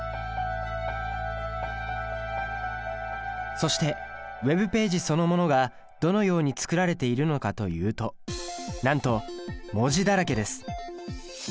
そしてＷｅｂページそのものがどのように作られているのかというとなんと文字だらけです！